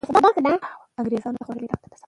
انګریزان ماتې خوړلې ده.